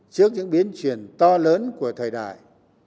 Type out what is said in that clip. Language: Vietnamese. trước những biến chuyển to lớn của thời đại